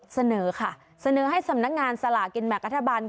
เสนอค่ะเสนอให้สำนักงานสลากินแบ่งรัฐบาล